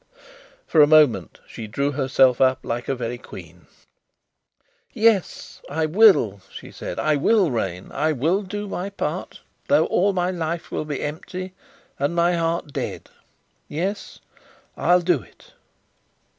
For a moment she drew herself up like a very queen. "Yes, I will!" she said. "I will reign. I will do my part though all my life will be empty and my heart dead; yet I'll do it!"